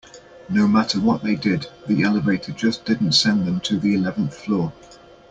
No matter what they did, the elevator just didn't send them to the eleventh floor.